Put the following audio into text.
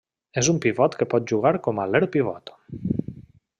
És un pivot que pot jugar com a aler pivot.